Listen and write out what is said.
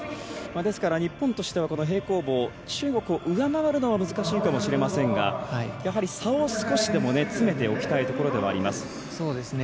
ですから日本としては平行棒中国を上回るのは難しいかもしれませんがやはり差を少しでも詰めておきたいところではあります。